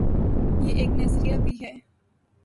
یہ ایک نظریہ بھی ہے۔